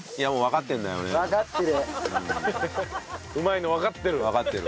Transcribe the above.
うまいのわかってる？